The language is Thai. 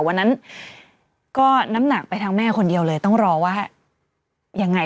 วันนั้นก็น้ำหนักไปทางแม่คนเดียวเลยต้องรอว่ายังไง